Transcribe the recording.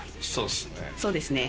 そうっすね。